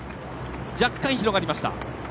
若干広がりました。